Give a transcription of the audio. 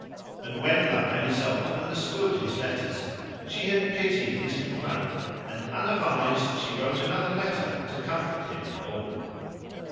And when La Beale Isoud understood his letters she had pity of his complaint, and unavised she wrote another letter to comfort him withal.